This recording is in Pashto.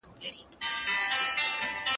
فکر مه کوه، چي دا وړۍ دي شړۍ سي.